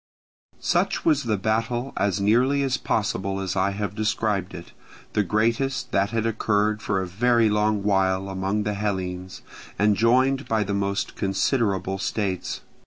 Such was the battle, as nearly as possible as I have described it; the greatest that had occurred for a very long while among the Hellenes, and joined by the most considerable states.